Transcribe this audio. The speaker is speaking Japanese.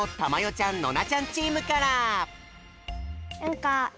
ちゃんノナちゃんチームから。